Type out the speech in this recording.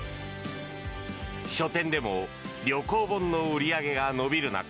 書店でも旅行本の売り上げが伸びる中